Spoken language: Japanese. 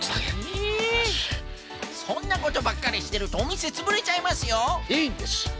えそんなことばっかりしてるとおみせつぶれちゃいますよ！